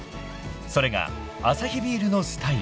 ［それがアサヒビールのスタイル］